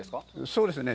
そうですね。